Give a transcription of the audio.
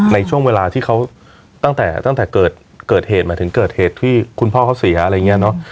ในช่วงเวลาที่เขาตั้งแต่ตั้งแต่เกิดเหตุมาถึงเกิดเหตุที่คุณพ่อเขาเสียอะไรอย่างนี้เนอะ